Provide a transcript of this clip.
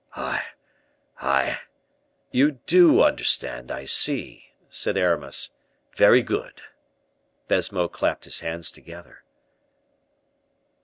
"I I " "You do understand, I see," said Aramis. "Very good." Baisemeaux clapped his hands together.